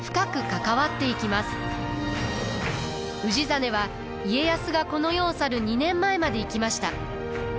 氏真は家康がこの世を去る２年前まで生きました。